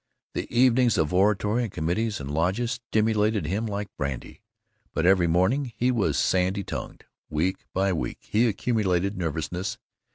The evenings of oratory and committees and lodges stimulated him like brandy, but every morning he was sandy tongued. Week by week he accumulated nervousness.